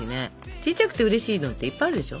ちっちゃくてうれしいのっていっぱいあるでしょ？